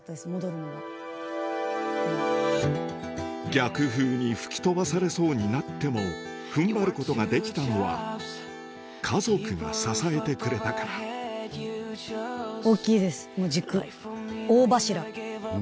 逆風に吹き飛ばされそうになっても踏ん張ることができたのは家族が支えてくれたからもう軸。